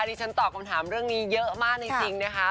ที่ฉันตอบคำถามเรื่องนี้เยอะมากจริงนะคะ